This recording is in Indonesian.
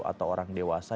atau orang dewasa